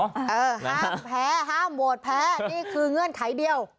ห้ามแพ้ห้ามโหวตแพ้นี่คือเงื่อนไขเดียว